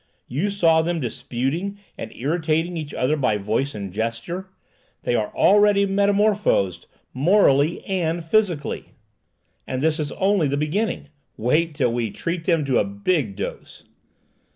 You saw them disputing and irritating each other by voice and gesture? They are already metamorphosed, morally and physically! And this is only the beginning. Wait till we treat them to a big dose!"